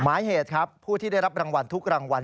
หมายเหตุครับผู้ที่ได้รับรางวัลทุกรางวัล